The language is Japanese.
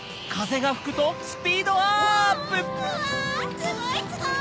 うわすごいすごい！